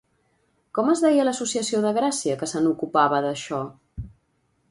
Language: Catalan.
Com es deia l'associació de Gràcia que se n'ocupava, d'això?